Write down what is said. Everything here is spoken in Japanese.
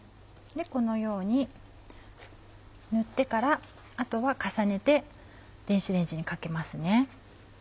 このように塗ってからあとは重ねて電子レンジにかけますね。